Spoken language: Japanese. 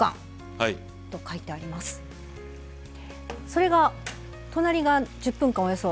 それが隣が１０分間およそ。